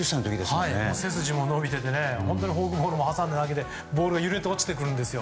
背筋も伸びてて本当にフォークボールも挟んで投げててボールが揺れて落ちてくるんですよ。